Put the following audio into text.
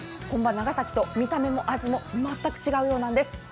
本場・長崎と見た目も味も全く違うようなんです。